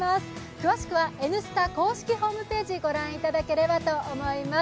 詳しく「Ｎスタ」公式ホームページをご覧いただければと思います。